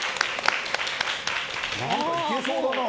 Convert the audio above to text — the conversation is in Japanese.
何かいけそうだな。